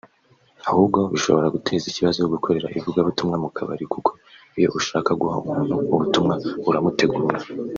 Ahubwo bishobora guteza ikibazo (gukorera ivugabutumwa mu kabari) kuko iyo ushaka guha umuntu ubutumwa uramutegura